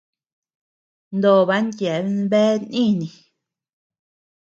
Noban yeabean bea niini.